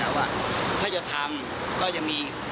แต่ถ้าอยากจะตีเขาก็ไม่ได้อย่างนี้หรอก